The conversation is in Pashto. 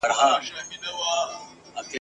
زما د بخت تصویر دی د بهزاد په قلم کښلی !.